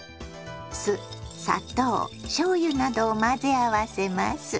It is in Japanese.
酢砂糖しょうゆなどを混ぜ合わせます。